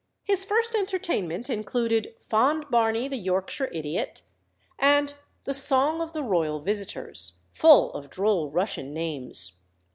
His first entertainment included "Fond Barney, the Yorkshire Idiot" and the "Song of the Royal Visitors," full of droll Russian names.